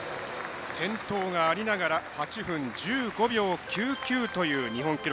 転倒がありながら８分１５秒９９という日本記録。